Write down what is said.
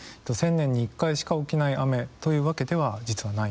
１０００年に１回しか起きない雨というわけでは実はないんです。